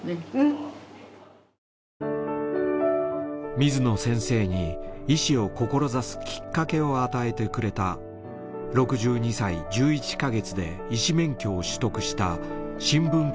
水野先生に医師を志すきっかけを与えてくれた６２歳１１カ月で医師免許を取得した新聞記事の女性です。